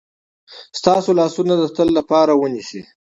ستاسو لاسونه د تل لپاره ونیسي.